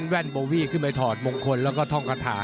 ใช้แว่นโบวี่ขึ้นไปถอดมงคลและท่องกระถา